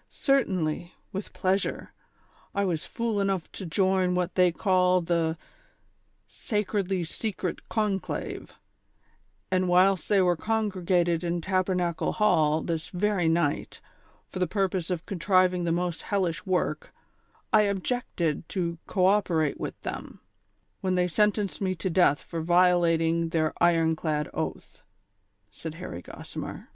" Certainly, with pleasure ; I was fool enough to join what they call the ' Sacredly Secret Conclave,' and whilst they were congregated at Tabernacle Hall this very night, for the purpose of contriving the most hellish work, I ob jected to co operate with tliem, when they sentenced me to death for violating their iron clad oath," said Harry Gossimer.